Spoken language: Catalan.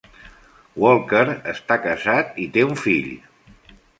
Walker està casat i té un fill.